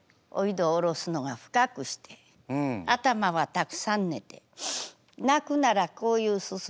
どおろすのが深くして頭はたくさん寝て泣くならこういうすすり上げる。